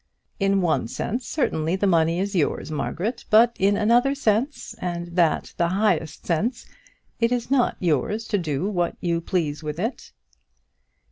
In one sense, certainly, the money is yours, Margaret; but in another sense, and that the highest sense, it is not yours to do what you please with it."